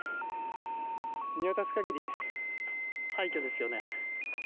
見渡す限り廃虚ですよね。